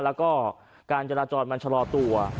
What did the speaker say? แล้วก็การจราจรมันชะลอตัว